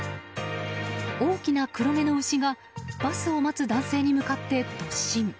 大きな黒毛の牛がバスを待つ男性に向かって突進。